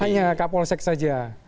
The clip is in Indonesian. hanya kapolsek saja